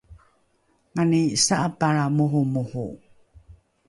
mani sa’apalra moromoro